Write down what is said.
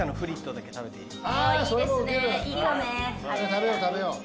食べよう食べよう。